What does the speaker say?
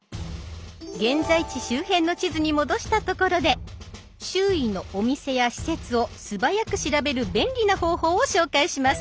現在地周辺の地図に戻したところで周囲のお店や施設をすばやく調べる便利な方法を紹介します。